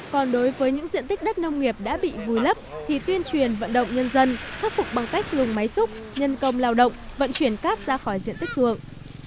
còn đối với những diện tích đất nông nghiệp đã bị vùi lấp thì tuyên truyền vận động nhân dân khắc phục bằng cách dùng máy xúc nhân công lao động vận chuyển cát ra khỏi diện tích ruộng